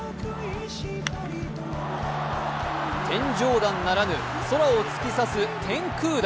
天井弾ならぬ、空を突き刺す天空弾。